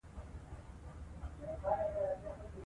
سمندر نه شتون د ټولو افغان ځوانانو لپاره یوه خورا جالب دلچسپي لري.